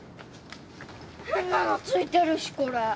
変なのついてるしこれ。